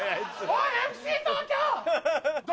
おいＦＣ東京！